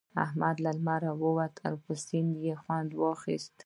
احمد لمر ته پروت وو؛ پر سندرو يې خوند اخيستی وو.